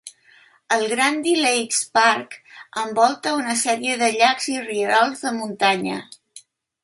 El Grundy Lakes Park envolta una sèrie de llacs i rierols de muntanya.